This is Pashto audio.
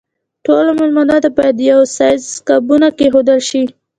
ټولو مېلمنو ته باید د یوه سایز قابونه کېښودل شي.